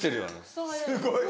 すごい。